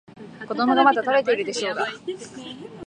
子供がまだ食べてるでしょうが。